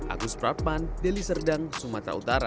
agus pratman deli serdang sumatera utara